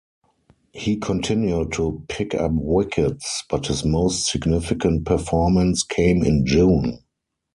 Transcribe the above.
He continued to pick up wickets, but his most significant performance came in June.